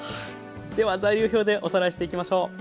では材料表でおさらいしていきましょう。